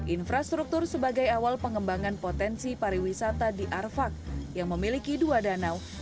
infrastruktur sebagai awal pengembangan potensi pariwisata di arfak yang memiliki dua danau